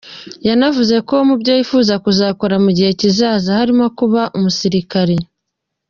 Yanavuze ko mu byo yifuza kuzakora mu gihe kizaza harimo kuba umusirikare.